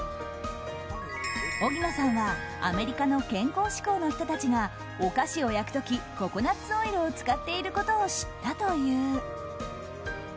荻野さんはアメリカの健康志向の人たちがお菓子を焼く時ココナッツオイルを使っていることを知ったという。